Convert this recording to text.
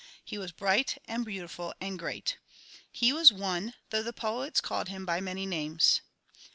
He was bright and beautiful and great. He was One, though the poets called Him by many names.